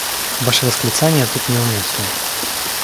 Ваши восклицания тут не уместны.